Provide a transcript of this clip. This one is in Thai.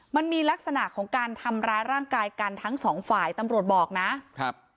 มันมีลักษณะของการทำร้ายร่างกายกันทั้งสองฝ่ายตำรวจบอกนะครับ